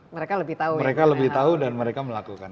mereka lebih tahu dan mereka melakukan